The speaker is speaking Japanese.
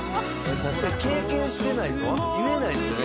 「確かに経験してないと言えないですよね